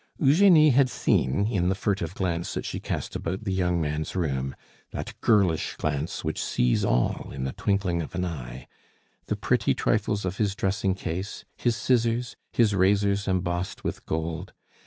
Eugenie had seen in the furtive glance that she cast about the young man's room that girlish glance which sees all in the twinkling of an eye the pretty trifles of his dressing case, his scissors, his razors embossed with gold.